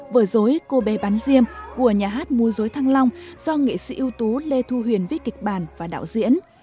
vở dối cô bê bán riêng của nhà hát múa dối thăng long do nghệ sĩ ưu tú lê thu huyền viết kịch bản và đạo diễn